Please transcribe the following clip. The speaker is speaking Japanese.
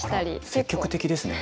積極的ですね。